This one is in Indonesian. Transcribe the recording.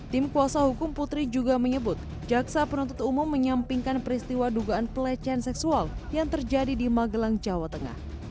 tim kuasa hukum putri juga menyebut jaksa penuntut umum menyampingkan peristiwa dugaan pelecehan seksual yang terjadi di magelang jawa tengah